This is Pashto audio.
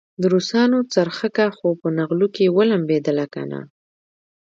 د روسانو څرخکه خو په نغلو کې ولمبېدله کنه.